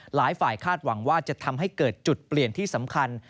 หลายฝ่ายคาดหวังว่าจะทำให้เกิดจุดเปลี่ยนที่สำคัญ